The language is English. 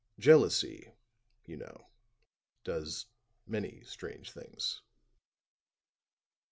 Jealousy, you know, does many strange things."